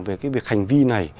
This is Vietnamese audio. về cái việc hành vi này